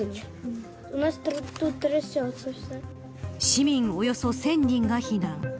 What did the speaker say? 市民およそ１０００人が避難。